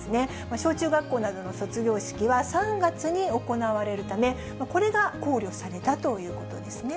小中学校などの卒業式は３月に行われるため、これが考慮されたということですね。